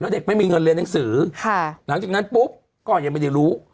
เด็กไม่มีเงินเรียนหนังสือค่ะหลังจากนั้นปุ๊บก็ยังไม่ได้รู้